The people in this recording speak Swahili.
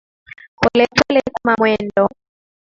Polepole kama mwendo.